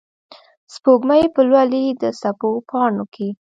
سپوږمۍ به لولي د څپو پاڼو کې